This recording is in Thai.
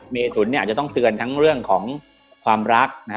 เมทุนเนี่ยอาจจะต้องเตือนทั้งเรื่องของความรักนะฮะ